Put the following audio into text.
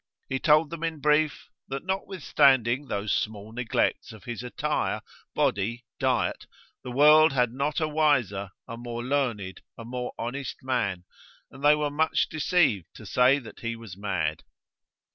He told them in brief, that notwithstanding those small neglects of his attire, body, diet, the world had not a wiser, a more learned, a more honest man, and they were much deceived to say that he was mad.